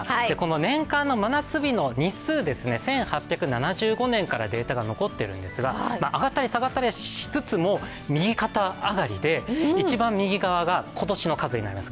年間の真夏日の日数、１８７５年からデータが残っているんですが上がったり下がったりはしつつも、右肩上がりで一番右側が今年の数になります。